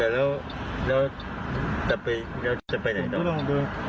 แล้วเราจะไปไหนหรอก